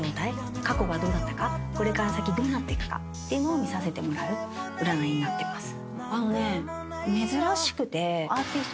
これから先どうなっていくかっていうのを見させてもらう占いになってます。